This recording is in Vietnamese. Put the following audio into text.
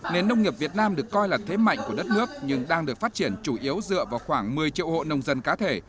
nên nông nghiệp việt nam được coi là thế mạnh của đất nước nhưng đang được phát triển chủ yếu dựa vào khoảng một mươi triệu hộ nông dân cá thể